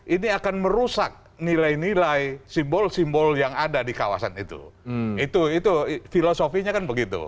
ini akan merusak nilai nilai simbol simbol yang ada di kawasan itu itu filosofinya kan begitu